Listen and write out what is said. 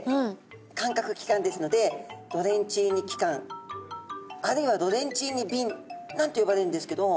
感覚器官ですのでロレンチーニ器官あるいはロレンチーニ瓶なんて呼ばれるんですけど。